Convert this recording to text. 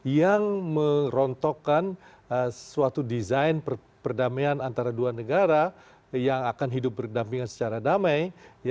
yang merontokkan suatu desain perdamaian antara dua negara yang akan hidup berdampingan secara damai